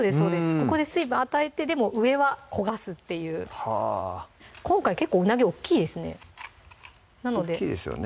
ここで水分与えてでも上は焦がすっていう今回結構うなぎ大っきいですね大っきいですよね